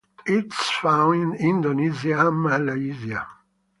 It is found in Indonesia and Malaysia.